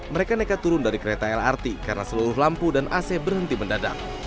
mereka nekat turun dari kereta lrt karena seluruh lampu dan ac berhenti mendadak